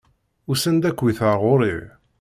Usan-d akkit ar ɣur-i!